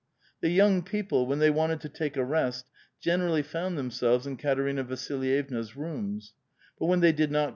The young people, when they wanted to take a' rest, senerallv found themselves in Katerina Vasilvevna's rooms ; but when they d\d ixot.